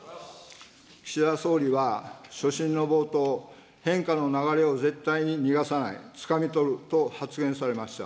岸田総理は所信の冒頭、変化の流れを絶対に逃がさない、つかみ取ると発言されました。